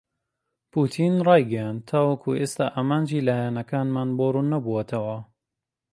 پوتین رایگەیاند تاوەکو ئێستا ئامانجی لایەنەکانمان بۆ رووننەبووەتەوە.